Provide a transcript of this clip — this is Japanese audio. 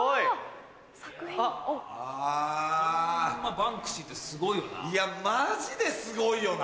バンクシーってすごいよな。